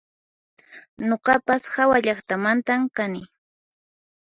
Nuqapas hawallaqtamantan kani